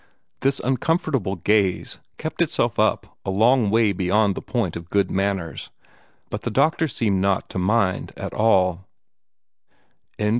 This uncomfortable gaze kept itself up a long way beyond the point of good manners; but the doctor seemed not to mind that at all.